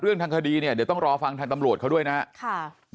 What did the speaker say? ทางคดีเนี่ยเดี๋ยวต้องรอฟังทางตำรวจเขาด้วยนะครับ